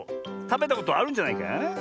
たべたことあるんじゃないか？